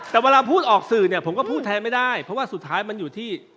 แต่เวลาพูดออกสื่อเนี่ยผมก็พูดแทนไม่ได้เพราะว่าสุดท้ายมันอยู่ที่